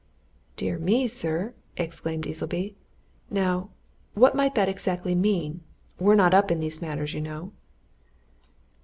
"Dear me, sir!" exclaimed Easleby. "Now what might that exactly mean? We're not up in these matters, you know."